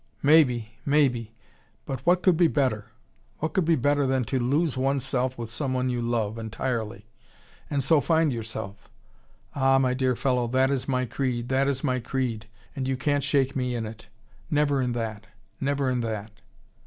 "Maybe! Maybe! But what could be better? What could be better than to lose oneself with someone you love, entirely, and so find yourself. Ah, my dear fellow, that is my creed, that is my creed, and you can't shake me in it. Never in that. Never in that."